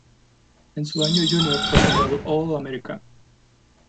En su año junior fue nombrado All-America.